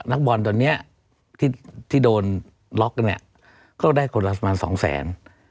นักบอลตอนเนี้ยที่ที่โดนล็อกเนี้ยก็ได้คนละสมันสองแสน